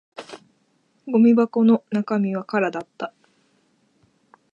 ゴミ箱の中身は空だった